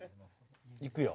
いくよ。